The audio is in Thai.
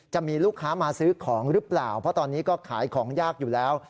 จะมีลูกค้ามาซื้อของหรือเปล่าเพราะตอนนี้ก็ขายของยากอยู่แล้ว